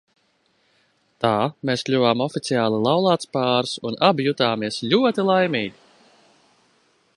Tā mēs kļuvām oficiāli laulāts pāris un abi jutāmies ļoti laimīgi.